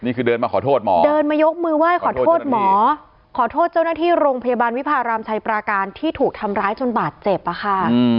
เดินมาขอโทษหมอเดินมายกมือไหว้ขอโทษหมอขอโทษเจ้าหน้าที่โรงพยาบาลวิพารามชัยปราการที่ถูกทำร้ายจนบาดเจ็บอะค่ะ